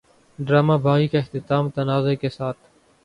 drama Baaghi کا اختتام تنازعے کے ساتھ